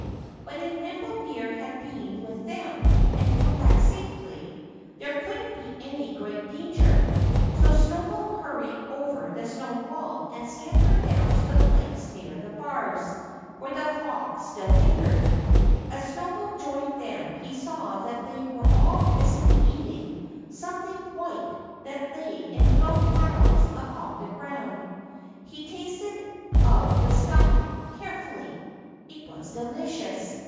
But if Nimble Deer had been with them and come back safely there couldn't be any great danger. So Snowball hurried over the stone wall and scampered down to the place near the bars, where the flock still lingered. As Snowball joined them he saw that they were all busily eating something white that lay in little piles upon the ground. He tasted of the stuff, carefully. It was delicious.